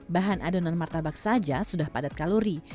bahan adonan martabak saja sudah padat kalori